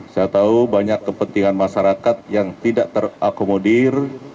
saya tahu banyak kepentingan masyarakat yang tidak terakomodir